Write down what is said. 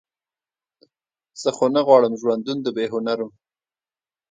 زه خو نه غواړم ژوندون د بې هنبرو.